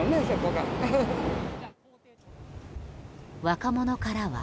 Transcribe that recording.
若者からは。